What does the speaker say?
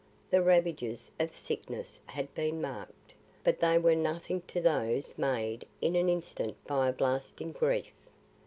The ravages of sickness had been marked, but they were nothing to those made in an instant by a blasting grief.